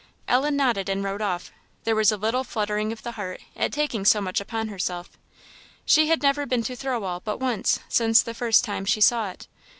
Ellen nodded and rode off. There was a little fluttering of the heart at taking so much upon herself; she had never been to Thirlwall but once since the first time she saw it.